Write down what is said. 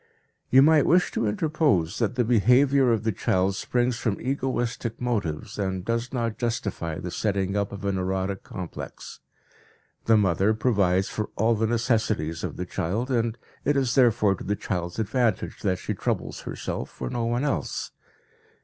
You might wish to interpose that the behavior of the child springs from egoistic motives and does not justify the setting up of an erotic complex. The mother provides for all the necessities of the child, and it is therefore to the child's advantage that she troubles herself for no one else.